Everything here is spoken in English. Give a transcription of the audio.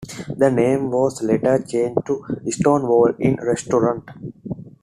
The name was later changed to Stonewall Inn Restaurant.